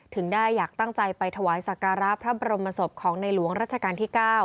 ถึงได้อยากตั้งใจไปถวายสักการะพระบรมศพของในหลวงรัชกาลที่๙